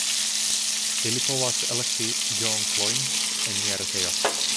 Ili povas elekti "geonklojn" en nia retejo.